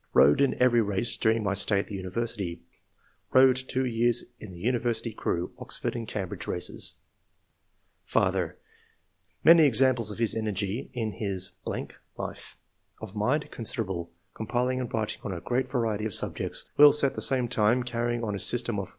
rowed in every race during my stay at the university ; rowed two years in the university crew [Oxford and Cambridge races.] Father — [Many examples of his energy in his ... life.] Of mind — considerable, compiling and writing on a great variety of subjects, whilst at the same time carrying on a system of